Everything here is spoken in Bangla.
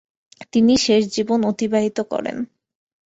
তিনি শেষ জীবন অতিবাহিত করেন।